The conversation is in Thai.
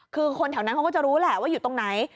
คือคนแถวนั้นเขาก็จะรู้แหละว่าอยู่ตรงไหน